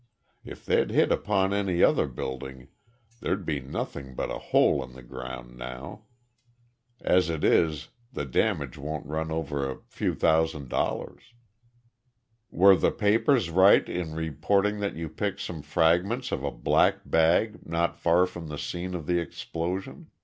If they'd hit upon any other building there'd be nothing but a hole in the ground now. As it is, the damage won't run over a few thousand dollars." "Were the papers right in reporting that you picked some fragments of a black bag not far from the scene of the explosion?"